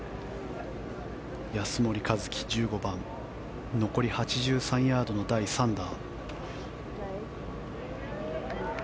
安森一貴、１５番残り８３ヤードの第３打。